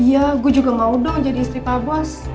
iya gue juga mau dong jadi istri pak bos